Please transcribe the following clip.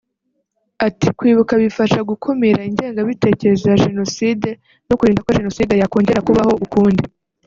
Ati “Kwibuka bifasha gukumira ingengabitekerezo ya Jenoside no kurinda ko jenoside yakongera kubaho ukundi